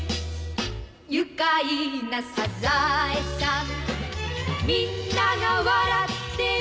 「愉快なサザエさん」「みんなが笑ってる」